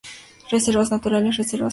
Reservas Naturales: Reservas Forestales.